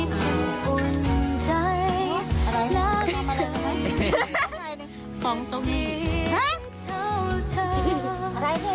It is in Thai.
แม่พร้อมทายจำบอกคุณได้ไหม